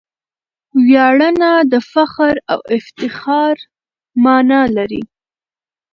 ویاړنه دفخر او افتخار مانا لري.